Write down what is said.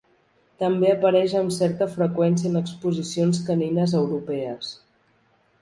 També apareix amb certa freqüència en exposicions canines europees.